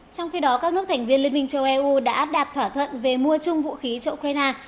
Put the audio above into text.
trong khi đó các nước thành viên liên minh châu âu đã đạt thỏa thuận về mua chung vũ khí cho ukraine